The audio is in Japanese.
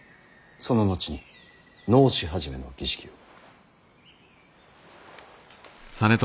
その後に直衣始の儀式を。